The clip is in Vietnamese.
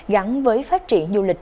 gắn với phát triển du lịch